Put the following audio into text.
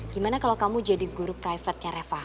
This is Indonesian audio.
gimana kalau kamu jadi guru private nya reva